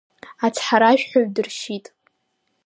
Ацҳаражәҳәаҩ дыршьит.